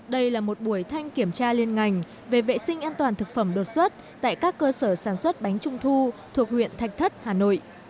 đây là một buổi thanh kiểm tra liên ngành về vệ sinh an toàn thực phẩm đột xuất tại các cơ sở sản xuất bánh trung thu thuộc huyện thạch thất hà nội